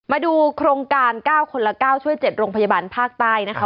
มาดูโครงการ๙คนละ๙ช่วย๗โรงพยาบาลภาคใต้นะคะ